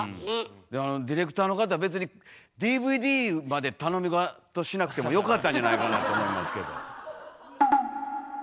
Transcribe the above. いやあのディレクターの方別にＤＶＤまで頼みごとしなくてもよかったんじゃないかなと思いますけど。